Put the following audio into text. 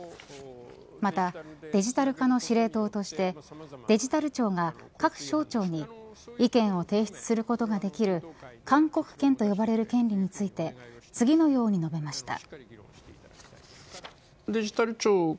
またデジタル化の司令塔としてデジタル庁が各省庁に意見を提出することができる勧告権と呼ばれる権利について次のように述べました。